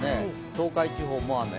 東海地方も雨。